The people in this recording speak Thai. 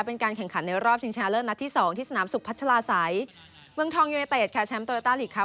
เป็นการแข่งขันในรอบชิงชนะเลิศนัดที่สองที่สนามสุขพัชลาศัยเมืองทองยูเนเต็ดค่ะแชมป์โตโยต้าลีกครับ